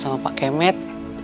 sama pak kemet